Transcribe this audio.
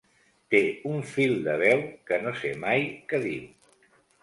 Té un fil de veu, que no sé mai què diu.